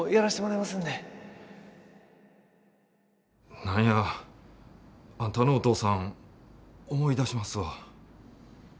何やあんたのお父さん思い出しますわ。